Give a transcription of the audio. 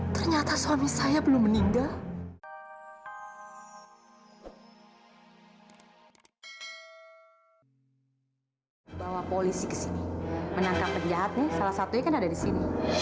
ternyata suami saya belum meninggal